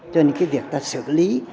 cho nên việc ta xử lý